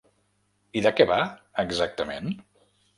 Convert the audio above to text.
I de què va, exactament?